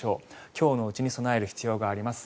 今日のうちに備える必要があります。